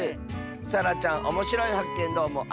さらちゃんおもしろいはっけんどうもありがとう！